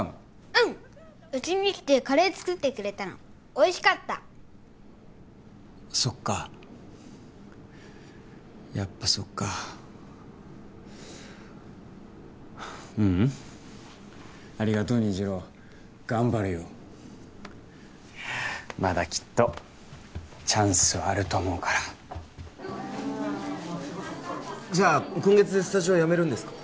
うんうちに来てカレー作ってくれたのおいしかったそっかやっぱそっかううんありがとう虹朗頑張るよまだきっとチャンスはあると思うからじゃあ今月でスタジオは辞めるんですか？